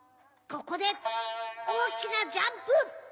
ここでおおきなジャンプ。